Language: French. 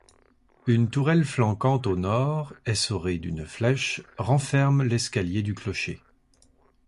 Une tourelle flanquante au nord, essorée d'une flèche, renferme l'escalier du clocher.